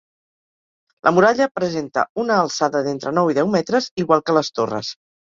La muralla presenta una alçada d'entre nou i deu metres, igual que les torres.